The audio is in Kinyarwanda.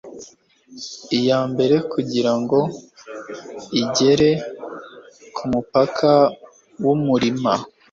iyambere kugirango igere kumupaka wumurima